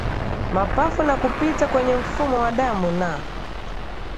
mapafu na kupita kwenye mfumo wa damu na